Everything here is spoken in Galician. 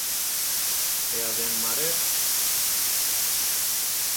¿E a de En Marea?